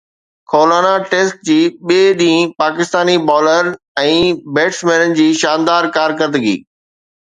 خولانا test جي ٻئي ڏينهن پاڪستاني بالرن ۽ بيٽسمينن جي شاندار ڪارڪردگي